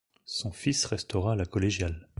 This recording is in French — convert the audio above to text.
Son fils restaura la collégiale.